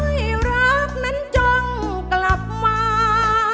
ให้รักนั้นจ้องกลับมา